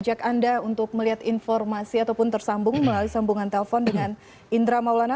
ajak anda untuk melihat informasi ataupun tersambung melalui sambungan telpon dengan indra maulana